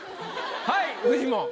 はいフジモン